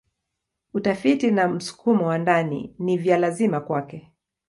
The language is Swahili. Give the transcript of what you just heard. Utafiti na msukumo wa ndani ni vya lazima kwake.